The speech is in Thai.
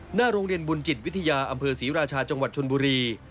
หน้าโรงเรียนบุญจิตวิทยาอำเภอศรีราชาจังหวัดชนบุรี